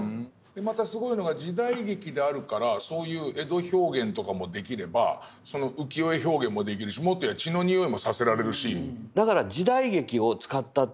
またすごいのが時代劇であるからそういう江戸表現とかもできれば浮世絵表現もできるしもっと言やあ血の匂いもさせられるし。